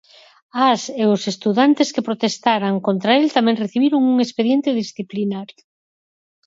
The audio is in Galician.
As e os estudantes que protestaran contra el tamén recibiron un expediente disciplinario.